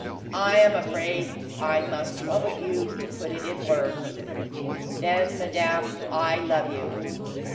I am afraid I must trouble you to put it in words." "Then, madame, I love you!"